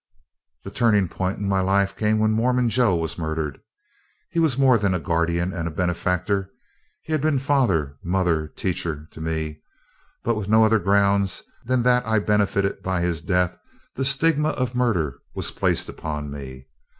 "The turning point in my life came when 'Mormon Joe' was murdered. He was more than a guardian and a benefactor he had been father, mother, teacher, to me, but with no other grounds than that I benefited by his death, the stigma of murder was placed upon me.